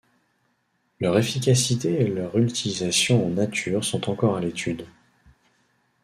Leur efficacité et leur utilisation en nature sont encore à l’étude.